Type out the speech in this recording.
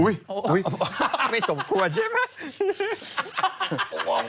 ไม่สมควรใช่ไหม